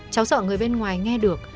cháu sợ người bên ngoài nghe được